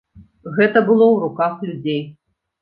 Гэта было ў руках людзей.